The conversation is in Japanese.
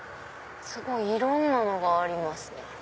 いろんなのがあります。